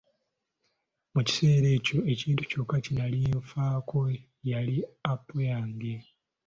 Mu kiseera ekyo ekintu kyokka kye nali nfaako yali apo yange.